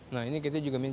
nah ini kita juga minta